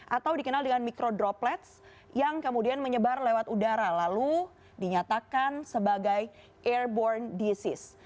atau dikenal dengan mikrodroplets yang kemudian menyebar lewat udara lalu dinyatakan sebagai airborne disease